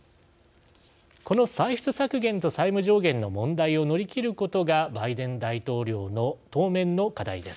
この歳出削減と債務上限の問題を乗り切ることがバイデン大統領の当面の課題です。